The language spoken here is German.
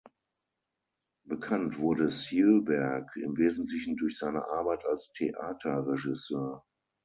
Bekannt wurde Sjöberg im Wesentlichen durch seine Arbeit als Theaterregisseur.